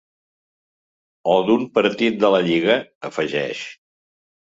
O d’un partit de la lliga?, afegeix.